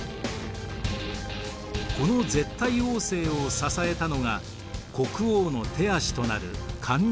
この絶対王政を支えたのが国王の手足となる官僚機構。